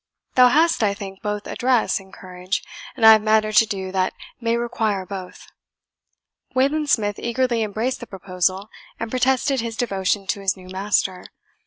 Thou hast, I think, both address and courage, and I have matter to do that may require both." Wayland Smith eagerly embraced the proposal, and protested his devotion to his new master.